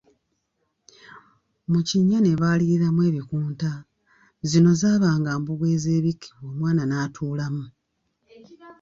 Mu kinnya ne baaliriramu ebikunta, zino zaabanga mbugo ezeebikkibwa, omwana n’atuulamu.